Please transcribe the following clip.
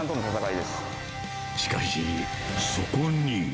しかし、そこに。